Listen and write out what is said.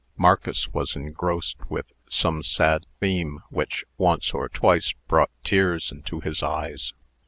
Marcus was engrossed with some sad theme which, once or twice, brought tears into his eyes.